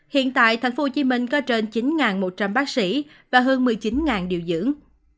hiện tại thành phố hồ chí minh có trên chín một trăm linh bác sĩ và hơn một mươi chín điều dưỡng